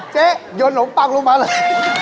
เจ๊โยนหนมปังลงมาเลย